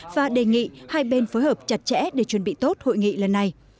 và đề nghị hai bên phối hợp chặt chẽ để chuẩn bị tốt hội nghị lần này